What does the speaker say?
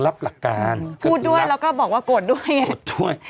พูดด้วยแล้วก็บอกว่ากดด้วย